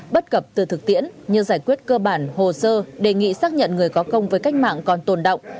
bất cập từ thực tiễn như giải quyết cơ bản hồ sơ đề nghị xác nhận người có công với cách mạng còn tồn động